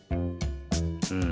うん。